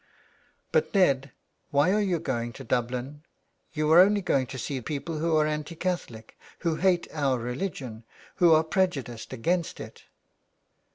*' But, Ned, why are you going to Dublin ? You are only going to see people who are anti Catholic, who hate our religion, who are prejudiced against it."